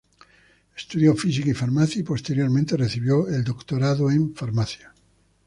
Estudió física y farmacia, y posteriormente recibió el doctorado en Farmacia.